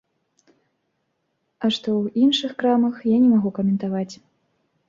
А што ў іншых крамах, я не магу каментаваць.